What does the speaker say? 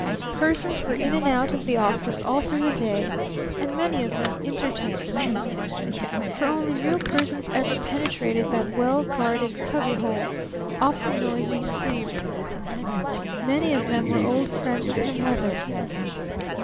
Persons were in and out of the office all through the day, and many of them entertaining. For only real persons ever penetrated that well guarded cubby hole off the noisy city room. Many of them were old friends of her mother.